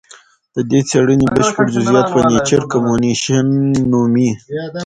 د دې څېړنې بشپړ جزیات په نېچر کمونیکشن نومې